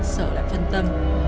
sở lại phân tâm